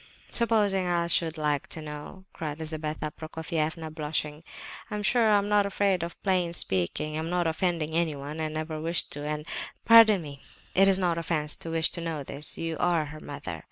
Supposing I should like to know?" cried Lizabetha Prokofievna, blushing. "I'm sure I am not afraid of plain speaking. I'm not offending anyone, and I never wish to, and—" "Pardon me, it is no offence to wish to know this; you are her mother.